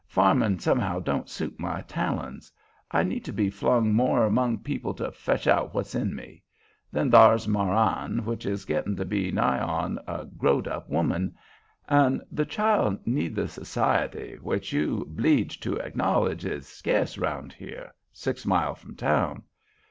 Farmin' somehow don't suit my talons. I need to be flung more 'mong people to fetch out what's in me. Then thar's Marann, which is gittin' to be nigh on to a growd up woman; an' the child need the s'iety which you 'bleeged to acknowledge is sca'ce about here, six mile from town.